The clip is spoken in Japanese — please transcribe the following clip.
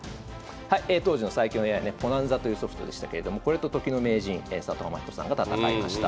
当時の最強のＡＩねｐｏｎａｎｚａというソフトでしたけれどもこれと時の名人佐藤天彦さんが戦いました。